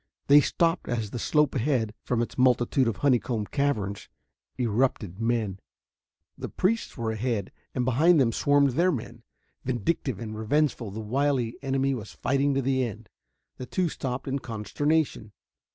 They stopped as the slope ahead, from its multitude of honeycomb caverns, erupted men. The priests were ahead, and behind them swarmed their men. Vindictive and revengeful, the wily enemy was fighting to the end. The two stopped in consternation.